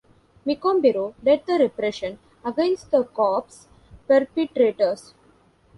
Micombero led the repression against the coup's perpetrators.